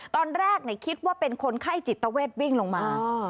ตอนแรกคิดว่าเป็นคนไข้จิตเวทวิ่งลงมา